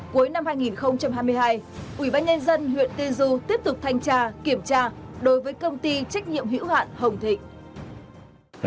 cuối năm hai nghìn hai mươi hai ubnd huyện tiên du tiếp tục thanh tra kiểm tra đối với công ty trách nhiệm hữu hạn hồng thịnh